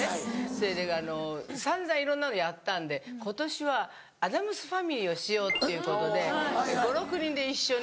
それで散々いろんなのやったんで今年は『アダムス・ファミリー』をしようっていうことで５６人で一緒に。